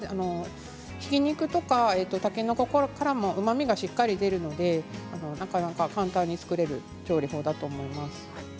ひき肉とか、たけのこからもうまみがしっかり出るのでなかなか簡単に作れる調理法だと思います。